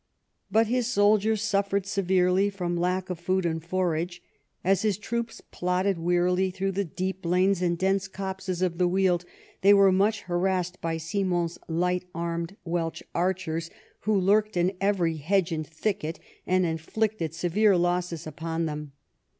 But his soldiers suffered severely from lack of food and forage. As his troops plodded wearily through the deep lanes and dense copses of the Weald, they were much harassed by Simon's light armed Welsh archers, who lurked in every hedge and thicket and inflicted severe losses upon them.